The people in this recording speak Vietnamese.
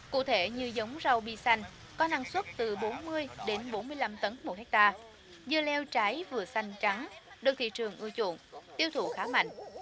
cụ thể như giống rau bi xanh có năng suất từ bốn mươi đến bốn mươi năm tấn một hectare dưa leo trái vừa xanh trắng được thị trường ưa chuộng tiêu thụ khá mạnh